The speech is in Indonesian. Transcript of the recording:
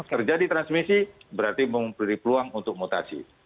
terjadi transmisi berarti memberi peluang untuk mutasi